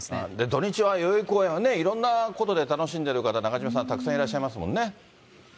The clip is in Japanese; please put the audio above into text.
土日は代々木公園はね、いろんなことで楽しんでる方、中島さん、たくさんいらっしゃいますもんね。